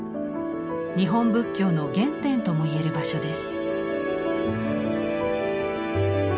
日本仏教の原点ともいえる場所です。